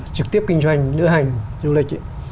trực tiếp kinh doanh lựa hành du lịch